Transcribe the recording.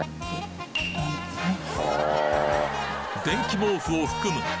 電気毛布を含む